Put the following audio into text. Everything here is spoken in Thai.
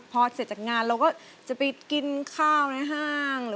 พอเสร็จจากงานเราก็จะไปกินข้าวในห้าง